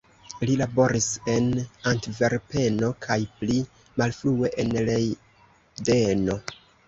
Li laboris en Antverpeno kaj pli malfrue en Lejdeno.